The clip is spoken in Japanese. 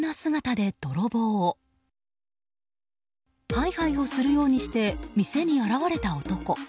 ハイハイをするようにして店に現れた男。